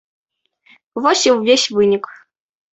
Вось і ўвесь вынік.